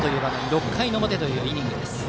６回の表というイニングです。